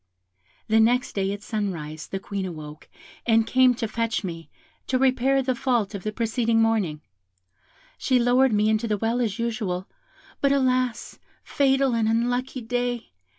The next day at sunrise the Queen awoke and came to fetch me, to repair the fault of the preceding morning; she lowered me into the well as usual, but alas, fatal and unlucky day!